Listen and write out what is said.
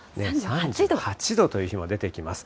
３８度という日が出てきます。